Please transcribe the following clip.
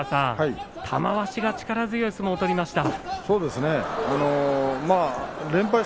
玉鷲が力強い相撲を取りました。